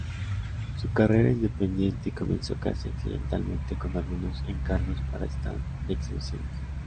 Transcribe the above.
Su carrera independiente comenzó casi accidentalmente con algunos encargos para stands de exhibiciones.